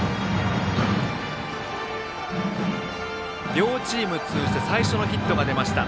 両チーム通じて最初のヒットが出ました。